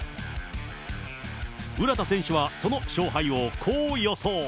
浦田選手はその勝敗をこう予想。